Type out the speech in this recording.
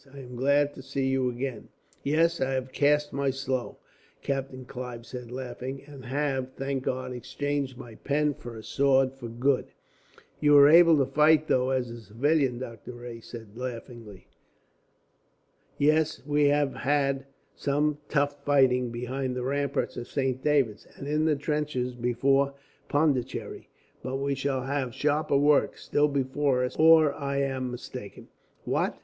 I am glad to see you again." "Yes, I have cast my slough," Captain Clive said, laughing, "and have, thank God, exchanged my pen for a sword, for good." "You were able to fight, though, as a civilian," Doctor Rae said, laughing. "Yes, we had some tough fighting behind the ramparts of Saint David's, and in the trenches before Pondicherry; but we shall have sharper work, still before us, or I am mistaken." "What!